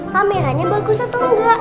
kameranya bagus atau enggak